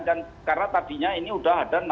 dan karena tadinya ini sudah ada enam puluh empat tadinya